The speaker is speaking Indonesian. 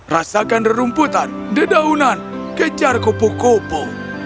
rasakan rumputan dedaunan kejar kupu kupu